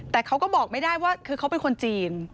แต่เขาก็บอกไม่ได้ว่าคือเขาเป็นคนจีน